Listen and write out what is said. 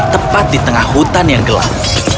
tepat di tengah hutan yang gelap